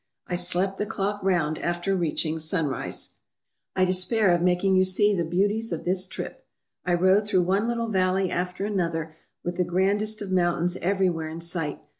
I slept the clock round after reaching Sunrise. I despair of making you see the beauties of this trip. I rode through one little valley after another with the grandest of mountains everywhere in sight.